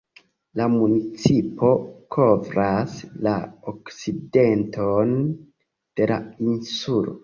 La municipo kovras la okcidenton de la insulo.